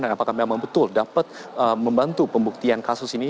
dan apakah memang betul dapat membantu pembuktian kasus ini